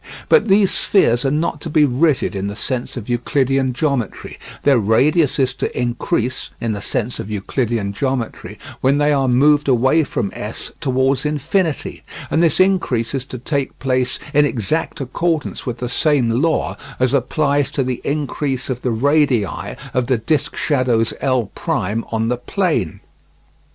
But these spheres are not to be rigid in the sense of Euclidean geometry; their radius is to increase (in the sense of Euclidean geometry) when they are moved away from S towards infinity, and this increase is to take place in exact accordance with the same law as applies to the increase of the radii of the disc shadows L' on the plane.